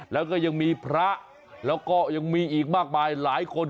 แล้วก็ยังมีพระแล้วก็ยังมีอีกมากมายหลายคน